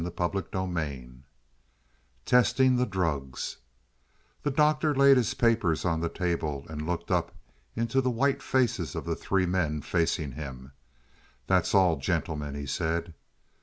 '" CHAPTER X TESTING THE DRUGS The Doctor laid his papers on the table and looked up into the white faces of the three men facing him. "That's all, gentlemen," he said.